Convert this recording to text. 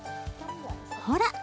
ほら。